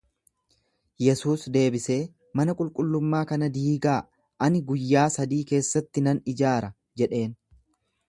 Yesuus deebisee, Mana qulqullummaa kana diigaa, ani guyyaa sadii keessatti nan ijaara jedheen.